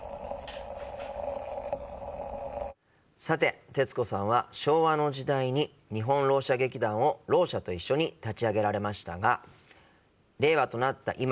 さて徹子さんは昭和の時代に日本ろう者劇団をろう者と一緒に立ち上げられましたが令和となった